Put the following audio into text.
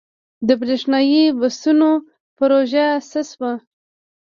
د بریښنايي بسونو پروژه څه شوه؟